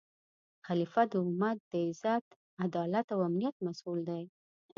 خلیفه د امت د عزت، عدالت او امنیت مسؤل دی